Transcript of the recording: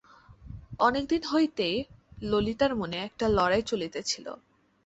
অনেক দিন হইতে ললিতার মনে একটা লড়াই চলিতেছিল।